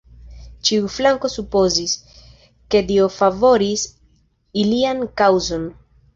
Ĉiu flanko supozis, ke Dio favoris ilian kaŭzon.